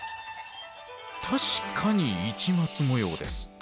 確かに市松模様です。